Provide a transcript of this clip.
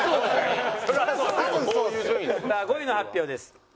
さあ５位の発表です。